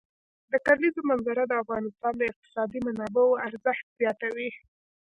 د کلیزو منظره د افغانستان د اقتصادي منابعو ارزښت زیاتوي.